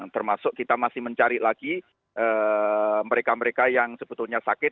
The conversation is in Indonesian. termasuk kita masih mencari lagi mereka mereka yang sebetulnya sakit